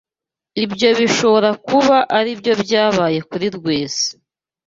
Ibyo bishobora kuba aribyo byabaye kuri Rwesa.